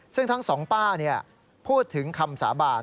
ซึ่งทั้งสองป้าพูดถึงคำสาบาน